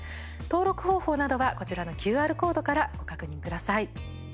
登録方法などは、こちらのＱＲコードからご確認ください。